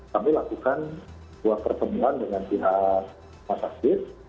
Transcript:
kami lakukan dua pertemuan dengan pihak rumah sakit